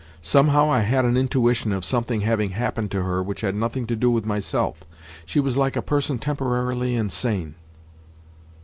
Somehow I had an intuition of something having happened to her which had nothing to do with myself. She was like a person temporarily insane.